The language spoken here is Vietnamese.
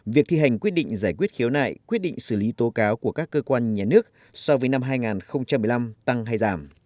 việc thi hành quyết định giải quyết khiếu nại quyết định xử lý tố cáo của các cơ quan nhà nước so với năm hai nghìn một mươi năm tăng hay giảm